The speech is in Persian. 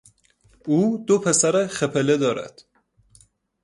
او دو پسر خپله دارد.